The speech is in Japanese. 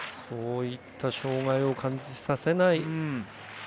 そういった障がいを感じさせない。